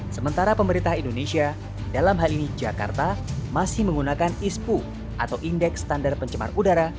sementara pemerintah indonesia dalam hal ini jakarta masih menggunakan ispu atau indeks standar pencemar udara